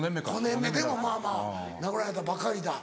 ５年目でもまぁまぁ亡くなられたばかりだ。